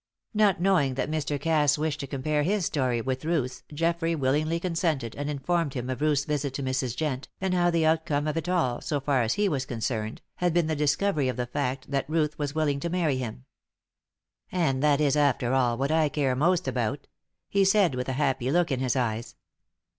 Not knowing that Mr. Cass wished to compare his story with Ruth's, Geoffrey willingly consented, and informed him of Ruth's visit to Mrs. Jent, and how the outcome of it all, so far as he was concerned, had been his discovery of the fact that Ruth was willing to marry him. "And that is, after all, what I care most about," he said, with a happy look in his eyes.